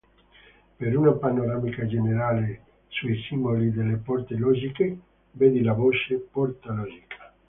Per una panoramica generale sui simboli delle porte logiche vedi la voce "Porta logica".